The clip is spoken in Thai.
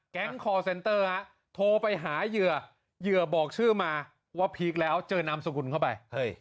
คอร์เซ็นเตอร์โทรไปหาเหยื่อเหยื่อบอกชื่อมาว่าพีคแล้วเจอนามสกุลเข้าไป